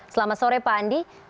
selamat sore pak andi